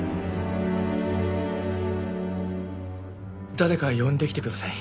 誰か呼んできてください。